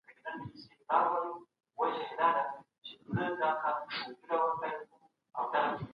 محمد داود خپله وینا واوروله.